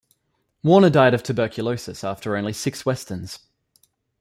Warner died of tuberculosis after only six Westerns.